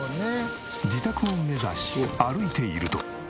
自宅を目指し歩いていると。